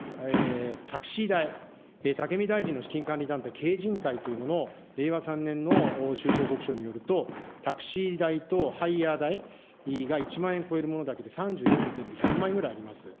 タクシー代、武見大臣の資金管理団体、敬人会というものの令和３年の収支報告書によると、タクシー代とハイヤー代が１万円超えるものだけで３４件で１００万円ぐらいあります。